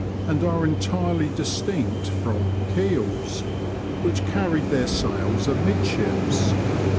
61 and are entirely distinct from "keels,*' which carried their sails amidships.